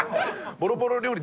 ボロボロ料理